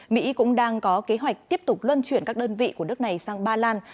mỹ cũng đang có kế hoạch tiếp tục lân chuyển các đơn vị của nước này sang ba lan